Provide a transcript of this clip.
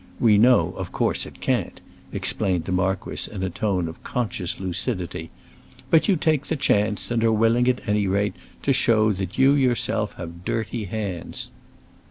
We know, of course, it can't," explained the marquis in a tone of conscious lucidity; "but you take the chance, and are willing at any rate to show that you yourself have dirty hands."